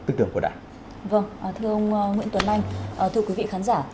thưa ông nguyễn tuấn anh thưa quý vị khán giả